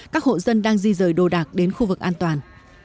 các hộ dân đang di rời đồ đạc đến khu vực an toàn